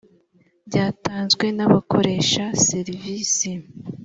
byatanzwe nabakoresha serivisi